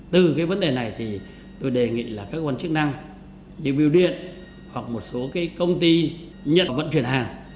từ cái vấn đề này thì tôi đề nghị là các quan chức năng như bưu điện hoặc một số công ty nhận vận chuyển hàng